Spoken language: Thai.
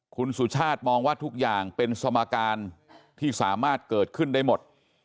คุณสุชาติมองว่าทุกอย่างเป็นสมการที่สามารถเกิดขึ้นได้หมด